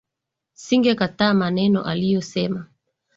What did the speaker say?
Singekataa maneno aliyosema.